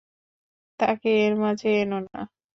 তাকে এর মাঝে এনো না।